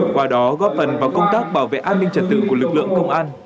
qua đó góp phần vào công tác bảo vệ an ninh trật tự của lực lượng công an